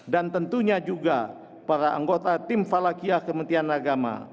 dan tentunya juga para anggota tim falakia kementerian agama